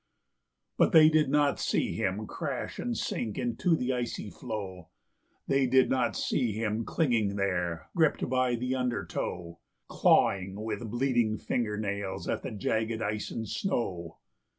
But they did not see him crash and sink into the icy flow; They did not see him clinging there, gripped by the undertow, Clawing with bleeding finger nails at the jagged ice and snow.